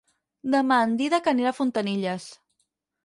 Demà en Dídac anirà a Fontanilles.